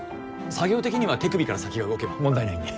作業的には手首から先が動けば問題ないんで。